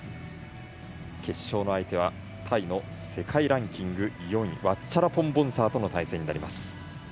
決勝の相手はタイの世界ランキング４位ワッチャラポン・ボンサーとの対戦になります。